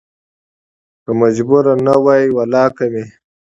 که مجبور نه وى ولا کې مې